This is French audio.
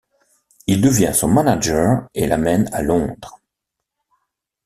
Il devient son manager et l’amène à Londres.